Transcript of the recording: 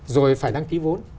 rồi phải đăng ký vốn